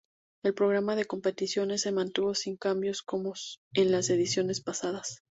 El programa de competiciones se mantuvo sin cambios, como en las ediciones pasadas.